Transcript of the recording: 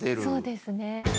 そうですね。